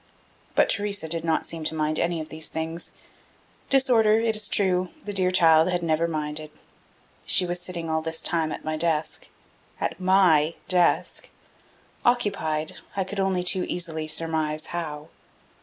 But Theresa did not seem to mind any of these things. Disorder, it is true, the dear child had never minded. She was sitting all this time at my desk at my desk occupied, I could only too easily surmise how.